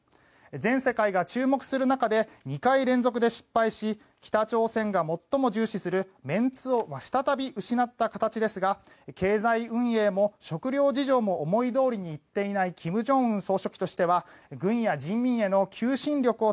全世界が注目する中で２回連続で失敗し北朝鮮が最も重視するメンツを再び失った形ですが経済運営も食糧事情も思いどおりにいっていない金正恩総書記としては軍や人民への求心力を